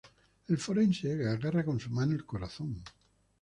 El forense agarra con su mano el corazón.